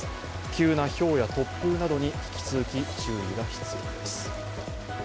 急なひょうや突風などに引き続き注意が必要です。